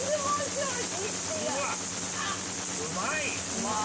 うまい。